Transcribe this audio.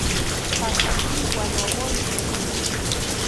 Pathaki wanawontzi